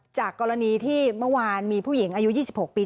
จากกรณีที่เมื่อวานมีผู้หญิงอายุ๒๖ปี